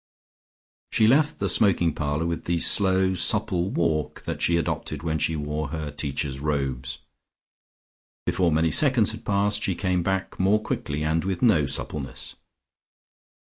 She left the smoking parlour with the slow supple walk that she adopted when she wore her Teacher's Robes. Before many seconds had passed, she came back more quickly and with no suppleness.